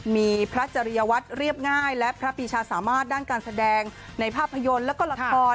มีพระจริยวัตรเรียบง่ายและพระปีชาสามารถด้านการแสดงในภาพยนตร์แล้วก็ละคร